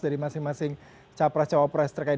dari masing masing capres capres terkait